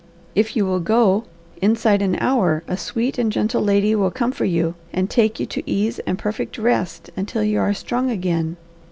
"If you will go, inside an hour a sweet and gentle lady will come for you and take you to ease and perfect rest until you are strong again.